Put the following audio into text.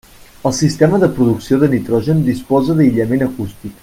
El sistema de producció de nitrogen disposa d'aïllament acústic.